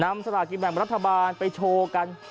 นำสระกิแบบรัฐบาลไปโชว์กัน